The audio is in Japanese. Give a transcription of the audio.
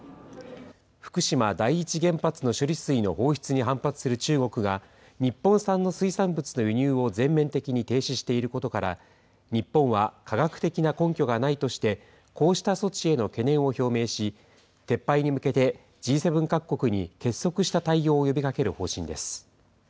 福島第一原発の処理水の放出に反発する中国が、日本産の水産物の輸入を全面的に停止していることから、日本は科学的な根拠がないとして、こうした措置への懸念を表明し、撤廃に向けて、Ｇ７各国に結束した対応を呼びかける方針です。